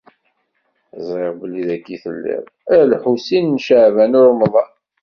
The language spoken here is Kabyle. Ẓriɣ belli dagi i telliḍ, a Lḥusin n Caɛban u Ṛemḍan.